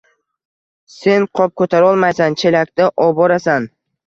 Sen qop ko‘tarolmaysan, chelakda oborasan.